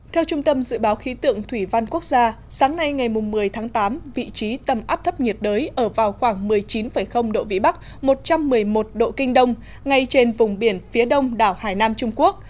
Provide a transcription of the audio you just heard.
theo trung tâm dự báo khí tượng thủy văn quốc gia sáng nay ngày một mươi tháng tám vị trí tâm áp thấp nhiệt đới ở vào khoảng một mươi chín độ vĩ bắc một trăm một mươi một độ kinh đông ngay trên vùng biển phía đông đảo hải nam trung quốc